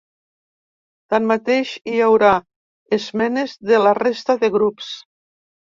Tanmateix, hi haurà esmenes de la resta de grups.